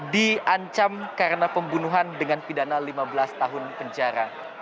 diancam karena pembunuhan dengan pidana lima belas tahun penjara